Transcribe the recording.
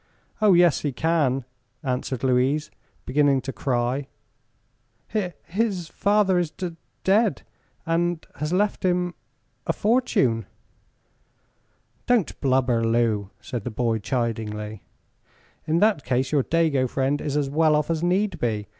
"Oh, yes, he can," answered Louise, beginning to cry. "Hi his father is d dead, and has left him a fortune." "Don't blubber, Lou," said the boy, chidingly; "in that case your dago friend is as well off as need be.